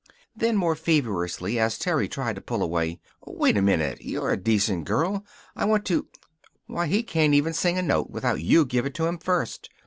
Then, more feverishly, as Terry tried to pull away: "Wait a minute. You're a decent girl. I want to Why, he can't even sing a note without you give it to him first.